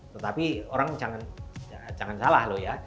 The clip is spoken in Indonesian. tetapi orang jangan salah loh ya